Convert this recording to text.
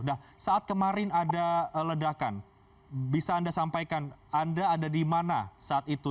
nah saat kemarin ada ledakan bisa anda sampaikan anda ada di mana saat itu